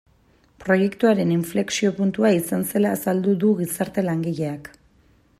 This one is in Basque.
Proiektuaren inflexio puntua izan zela azaldu du gizarte langileak.